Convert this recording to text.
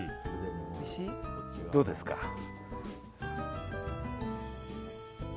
どうですか？